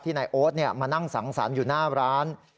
นายโอ๊ตมานั่งสังสรรค์อยู่หน้าร้าน